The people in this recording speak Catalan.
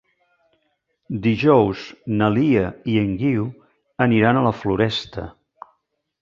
Dijous na Lia i en Guiu aniran a la Floresta.